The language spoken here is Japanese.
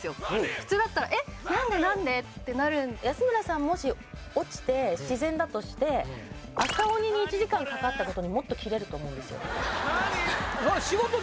普通だったら「えっ何で？何で？」ってなる安村さんもし落ちて自然だとして赤鬼に１時間かかったことにもっとキレると思うんですよ